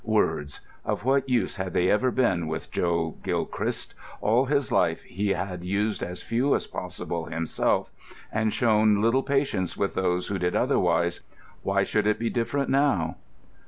Words! Of what use had they ever been with Joe Gilchrist? All his life he had used as few as possible himself and shown little patience with those who did otherwise—why should it be different now?